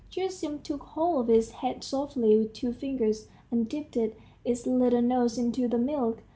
Gerasim took hold of its head softly with two fingers, and dipped its little nose into the milk.